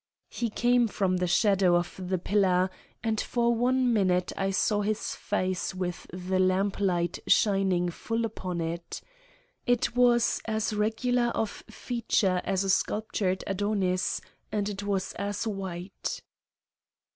He came from the shadow of the pillar, and for one minute I saw his face with the lamplight shining full upon it. It was as regular of feature as a sculptured Adonis, and it was as white.